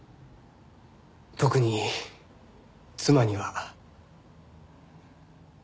特に妻には。